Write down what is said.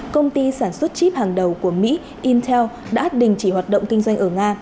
công ty sản xuất chip hàng đầu của mỹ intel đã đình chỉ hoạt động kinh doanh ở nga